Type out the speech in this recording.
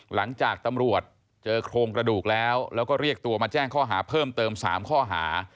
หลังจากตำรวจเจอโครงกระดูกแล้วแล้วก็เรียกตัวมาแจ้งข้อหาเพิ่มเติม๓ข้อหา